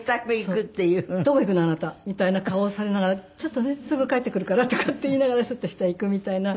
あなたみたいな顔をされながら「ちょっとね。すぐ帰ってくるから」とかって言いながらシュッと下へ行くみたいな。